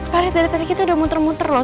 parit dari tadi kita udah muter muter loh